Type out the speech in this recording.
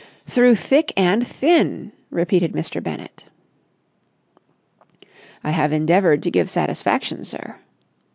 "Through thick and thin!" repeated Mr. Bennett. "I have endeavoured to give satisfaction, sir."